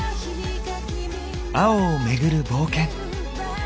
青をめぐる冒険。